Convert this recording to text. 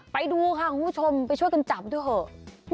ไปดูค่ะคุณผู้ชมไปช่วยกันจับด้วยเถอะ